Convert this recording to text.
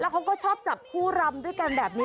เขาก็ชอบจับคู่รำด้วยกันแบบนี้